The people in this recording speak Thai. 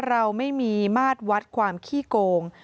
เราไม่มีมาตรวัดความขี้โกง